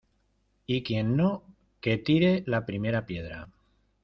y quien no, que tire la primera piedra.